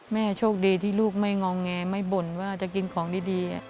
โชคดีที่ลูกไม่งอแงไม่บ่นว่าจะกินของดี